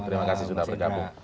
terima kasih sudah bergabung